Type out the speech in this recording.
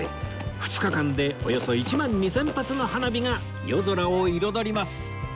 ２日間でおよそ１万２０００発の花火が夜空を彩ります